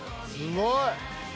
すごい！